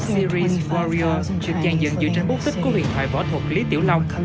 series warrior dự trang dựng dựa trên búc tích của huyền thoại võ thuật lý tiểu long